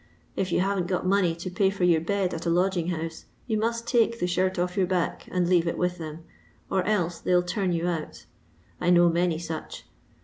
If you haven't got money to pay for your bed at a lodging houle, you must take the shirt off your back and leave it with them, or else they '11 turn you out. I know many such.